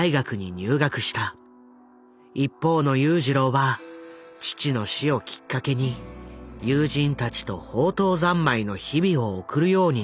一方の裕次郎は父の死をきっかけに友人たちと放蕩三昧の日々を送るようになったという。